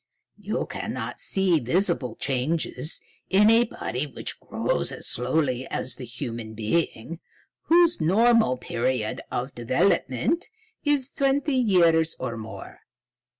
You cannot see visible changes in a body which grows as slowly as the human being, whose normal period of development is twenty years or more.